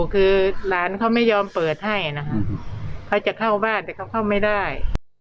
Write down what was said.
คือหลานเขาไม่ยอมเปิดให้นะคะเขาจะเข้าบ้านแต่เขาเข้าไม่ได้